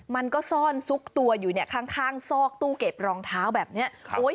มันก็ซ่อนซุกตัวอยู่เนี่ยข้างซอกตู้เก็บรองเท้าแบบนี้